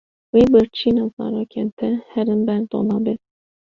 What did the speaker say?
Wê birçîna zarokên te herin ber dolabê.